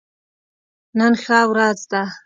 نن ښه ورځ ده